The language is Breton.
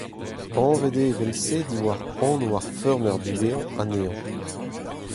Anvet eo evel-se diwar anv ar feurmer diwezhañ anezhañ.